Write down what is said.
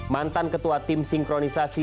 mantan ketua tim sinkronisasi